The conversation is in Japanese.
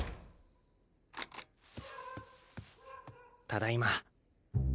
・ただいま。